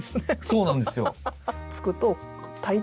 そうなんですよ。